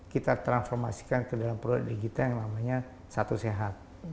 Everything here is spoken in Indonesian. kita transformasikan ke dalam produk digital yang namanya satu sehat